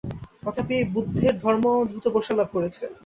তথাপি এই বুদ্ধের ধর্ম দ্রুত প্রসার লাভ করেছে।